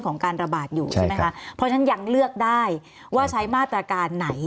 การระบาดอยู่ใช่ไหมคะเพราะฉะนั้นยังเลือกได้ว่าใช้มาตรการไหน